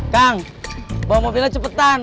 kang bawa mobilnya cepetan